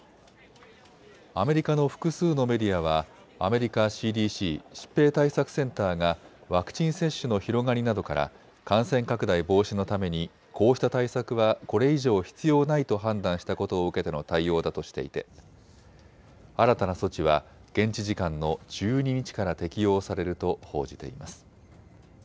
アメリカの複数のメディアはアメリカＣＤＣ・疾病対策センターがワクチン接種の広がりなどから感染拡大防止のためにこうした対策はこれ以上必要ないと判断したことを受けての対応だとしていて新たな措置は現地時間の１２日から適用されると報じています。